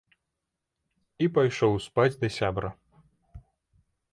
І пайшоў спаць да сябра.